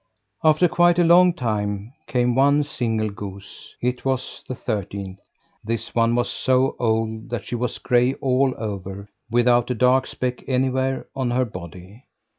After quite a long time came one single goose. It was the thirteenth. This one was so old that she was gray all over, without a dark speck anywhere on her body.